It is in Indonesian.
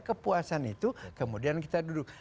kepuasan itu kemudian kita duduk